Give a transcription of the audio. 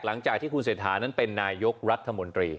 หลังจากที่คุณเศรษฐานั้นเป็นนายกรัฐมนตรี